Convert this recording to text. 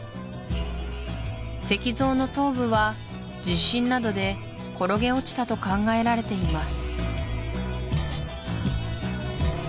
石像の頭部は地震などで転げ落ちたと考えられています